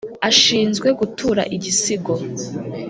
ashinzwe gutura igisigo)